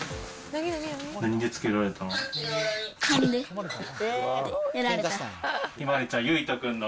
何でつけられたの？